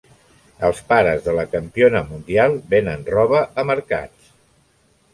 Els pares de la campiona mundial venen roba a mercats.